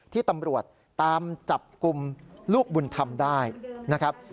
ที่ตำรวจตามจับกลุ่มลูกบุญธรรมได้นะครับ